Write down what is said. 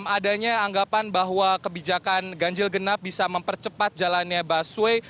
adanya anggapan bahwa kebijakan ganjil genap bisa mempercepat jalannya busway